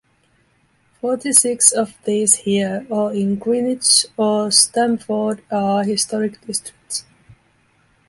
Forty-six of these here or in Greenwich or Stamford are historic districts.